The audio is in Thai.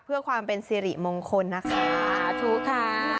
เพื่อความเป็นเสริมงคลนะคะ